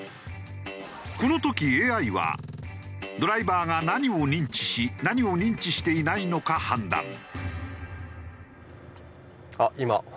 この時ＡＩはドライバーが何を認知し何を認知していないのか判断。